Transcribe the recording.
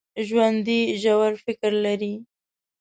ژوندي ژور فکر لري